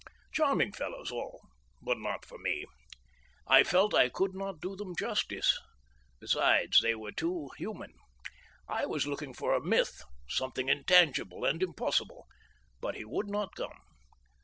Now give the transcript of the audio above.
Charming fellows all, but not for me, I felt I could not do them justice. Besides, they were too human. I was looking for a myth something intangible and impossible. But he would not come.